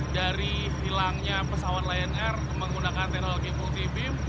dari hilangnya pesawat lion air menggunakan teknologi multi beam